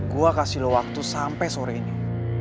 gue kasih loh waktu sampai sore ini